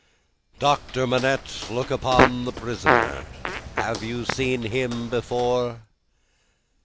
"Doctor Manette, look upon the prisoner. Have you ever seen him before?"